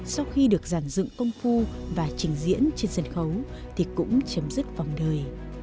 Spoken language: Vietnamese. sau khi được giàn dựng công phu và trình diễn trên sân khấu thì cũng chấm dứt vòng đời